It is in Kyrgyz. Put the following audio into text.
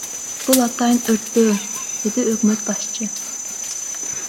Бул атайын өрттөө, — деди өкмөт башчы.